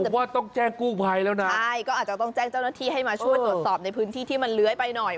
ผมว่าต้องแจ้งกู้ภัยแล้วนะใช่ก็อาจจะต้องแจ้งเจ้าหน้าที่ให้มาช่วยตรวจสอบในพื้นที่ที่มันเลื้อยไปหน่อย